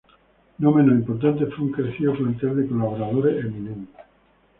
No menos importante fue un crecido plantel de colaboradores eminentes.